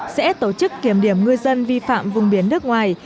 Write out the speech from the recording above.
sẽ tổ chức kiểm điểm ngư dân vi phạm vùng biển nước ngoài